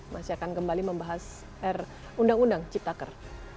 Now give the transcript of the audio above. masih akan kembali membahas undang undang ciptaker